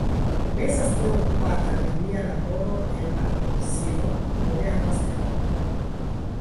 Mi estas tro okupata de mia laboro en la Uzino, mi ne havas tempon...